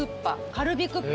カルビクッパ。